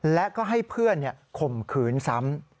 และก็ให้เพื่อนข่มขืนซ้ำ